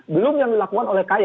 belum yang dilakukan oleh kay